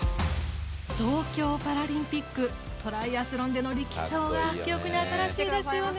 東京パラリンピックトライアスロンでの力走が記憶に新しいですよね。